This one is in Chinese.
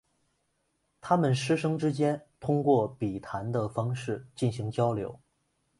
他们师生之间通过笔谈的方式进行交流。